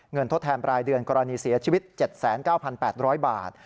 ทดแทนปลายเดือนกรณีเสียชีวิต๗๙๘๐๐บาท